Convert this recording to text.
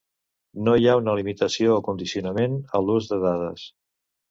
No hi ha una limitació o condicionament a l'ús de dades.